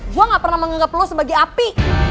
gue gak pernah menganggap lu sebagai api